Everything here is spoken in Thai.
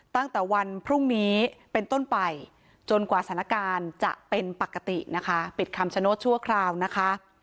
ตั้งแต่วันพรุ่งนี้เป็นต้นไปจนกว่าสถานการณ์จะเป็นปกตินะคะปิดคำชโนธชั่วคราวนะคะ